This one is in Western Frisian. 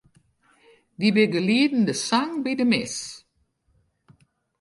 Dy begelieden de sang by de mis.